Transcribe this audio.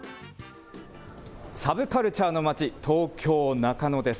サブカルチャーの街、東京・中野です。